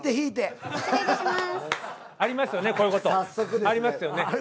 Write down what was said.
ありますよね